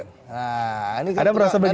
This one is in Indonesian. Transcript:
nah ini kan nanti tanyakan kepada tika goreng ya